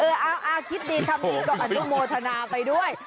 คิดดีทำดีก็อนุโมทนาไปด้วย